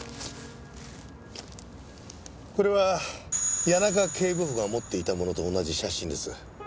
これは谷中警部補が持っていたものと同じ写真です。